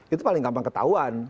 itu paling gampang ketahuan